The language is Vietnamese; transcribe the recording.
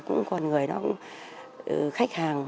cũng còn người nó khách hàng